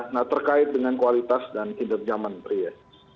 nah terkait dengan kualitas dan kinerja menteri ya